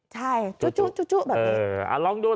ใช่จู๊แบบนี้